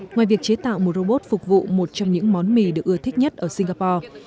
ngoài việc chế tạo một robot phục vụ một trong những món mì được ưa thích nhất ở singapore